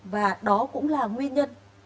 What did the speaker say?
và đó cũng là nguyên nhân